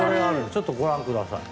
ちょっとご覧ください。